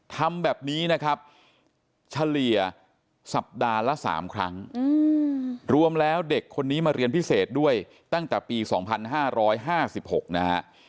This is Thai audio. ทำแบบนี้นะครับเฉลี่ยสัปดาห์ละ๓ครั้งรวมแล้วเด็กคนนี้มาเรียนพิเศษด้วยตั้งแต่ปี๒๕๕๖นะฮะ